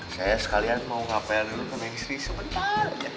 saya sekalian mau ngapa ngapa dulu ke bank sri sebentar